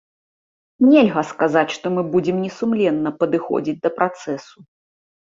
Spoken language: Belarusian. Нельга сказаць, што мы будзем несумленна падыходзіць да працэсу.